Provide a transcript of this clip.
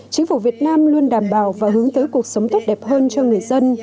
chính phủ việt nam luôn đảm bảo và hướng tới cuộc sống tốt đẹp hơn cho người dân